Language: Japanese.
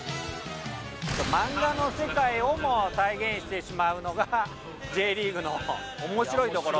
漫画の世界をも再現してしまうのがＪリーグの面白いところですね。